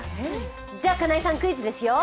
じゃ、金井さん、クイズですよ。